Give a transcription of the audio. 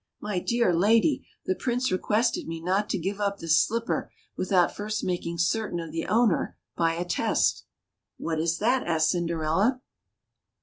" My dear lady, the Prince requested me not to give up this slipper without first making certain of the owner by a test." ^^What is that?" asked Cinderella.